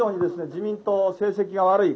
自民党成績が悪い。